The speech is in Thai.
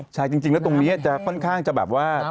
ใช่จริงแล้วตรงนี้จะค่อนข้างจะแบบว่า